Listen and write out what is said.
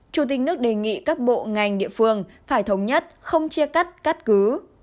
chủ tịch nước đề nghị các bộ ngành địa phương phải thống nhất không chia cắt cắt cứ